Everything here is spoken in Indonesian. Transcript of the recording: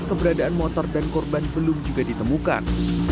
keberadaan motor dan korban belum juga ditemukan